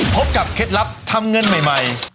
พบกับเคล็ดลับทำเงินใหม่